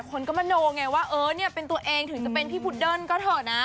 ทุกคนก็มันคงรู้ว่าแป็ตเป็นตัวเองถึงจะเป็นพี่พูดเดิ้นก็เถอะนะ